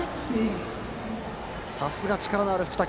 さすが、力のある福田